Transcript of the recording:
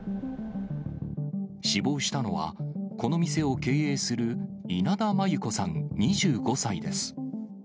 死亡したのは、この店を経営する稲田真優子さん２５歳です。